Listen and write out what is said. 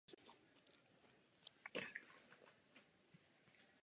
Trestán byl i obchod s Židy.